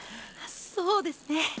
そうですね。